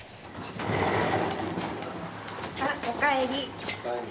・あっおかえり。